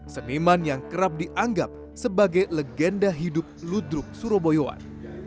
seniman yang kerap dianggap sebagai legenda hidup ludruk surabaya